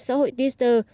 xã hội twitter